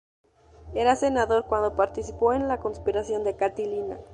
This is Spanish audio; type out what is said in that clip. Era senador cuando participó en la conspiración de Catilina.